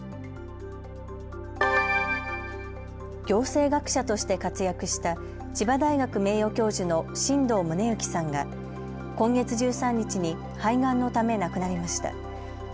行政学者として活躍した千葉大学名誉教授の新藤宗幸さんが今月１３日に肺がんのため亡くなりました。